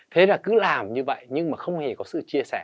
thế là cứ làm như vậy nhưng mà không hề có sự chia sẻ